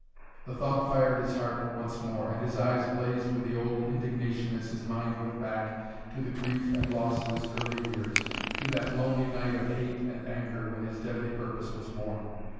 The thought fired his heart once more and his eyes blazed with the old indignation as his mind went back to the grief and loss of his early years, to that lonely night of hate and anger when his deadly purpose was born.